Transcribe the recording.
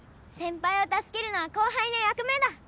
先輩をたすけるのは後輩の役目だ！